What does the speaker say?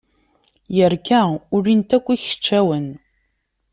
Yerka, ulin-t akk ikeččawen.